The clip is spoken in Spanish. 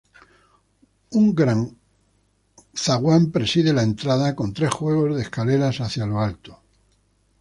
Un gran hall preside la entrada, con tres juegos de escaleras hacia lo alto.